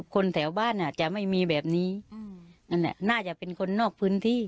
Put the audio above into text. คนแถวบ้านอาจจะไม่มีแบบนี้นั่นแหละน่าจะเป็นคนนอกพื้นที่